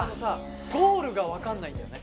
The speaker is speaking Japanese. ゴールが分かんないんだよね。